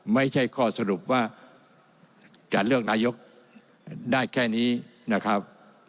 ไม่ใช่ข้อสรุปว่าจะเลือกนายกได้แค่นี้นะครับ